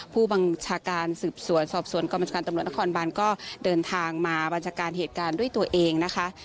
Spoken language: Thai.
ผู้บัญชาการสืบสวนสอบสวนกรมการตำรวจนครบานก็เดินทางมาบัญชาการเหตุการณ์ด้วยตัวเองนะคะ